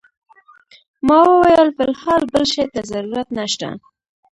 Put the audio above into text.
ما وویل فی الحال بل شي ته ضرورت نه شته.